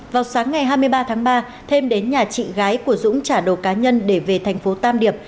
vào sáng ngày hai mươi ba tháng ba thêm đến nhà chị gái của dũng trả đồ cá nhân để về thành phố tam điệp